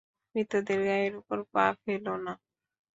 মৃতদের গায়ের উপর পা ফেলো না।